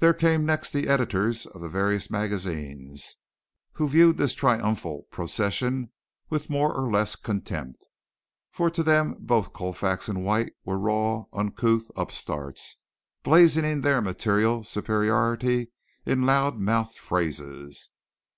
There came next the editors of the various magazines, who viewed this triumphal procession with more or less contempt, for to them both Colfax and White were raw, uncouth upstarts blazoning their material superiority in loud mouthed phrases.